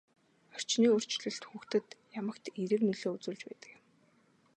Орчны өөрчлөлт хүүхдэд ямагт эерэг нөлөө үзүүлж байдаг юм.